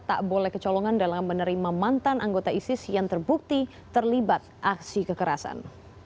tak boleh kecolongan dalam menerima mantan anggota isis yang terbukti terlibat aksi kekerasan